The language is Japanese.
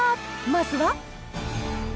まずは。